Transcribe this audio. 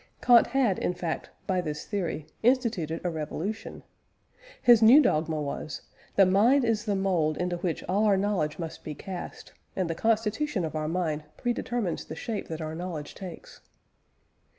Kant had, in fact, by this theory, instituted a revolution. His new dogma was: _The mind is the mould into which all our knowledge must be cast; and the constitution of our mind predetermines the shape that our knowledge takes.